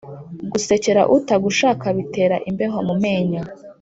Gusekera utagushaka bitera imbeho mu menyo.